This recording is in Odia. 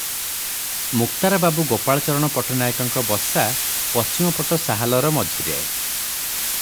ମୁକ୍ତାର ବାବୁ ଗୋପାଳଚରଣ ପଟ୍ଟନାୟକଙ୍କ ବସା ପଶ୍ଚିମ ପଟ ସାହାଲର ମଝିରେ ।